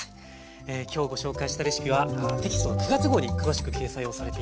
今日ご紹介したレシピはテキスト９月号に詳しく掲載をされています。